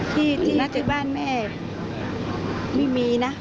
ที่บ้านแม่มีนะ